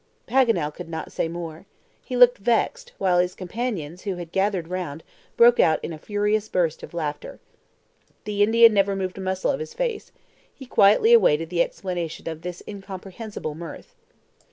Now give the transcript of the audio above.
Paganel could not say more. He looked vexed, while his companions, who had all gathered round, broke out in a furious burst of laughter. The Indian never moved a muscle of his face. He quietly awaited the explanation of this incomprehensible mirth.